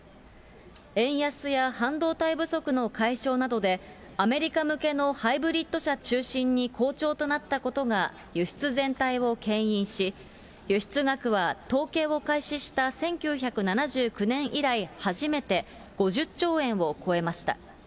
円安や半導体不足の解消などで、アメリカ向けのハイブリッド車中心に好調となったことが、輸出全体をけん引し、輸出額は統計を開始した１９７９年以来初めて５０兆円を超えました。